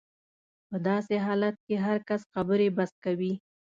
په داسې حالت کې هر کس خبرې بس کوي.